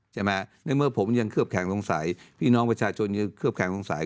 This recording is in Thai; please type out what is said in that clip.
ใช่ไหมในเมื่อผมยังเคลือบแข็งสงสัยพี่น้องประชาชนยังเคลือบแคลงสงสัย